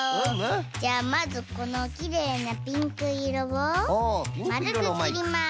じゃあまずこのきれいなピンクいろをまるくきります。